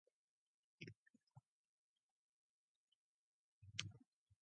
Tom Morino was unanimously elected as interim party leader.